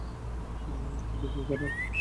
কিন্তু কী করার?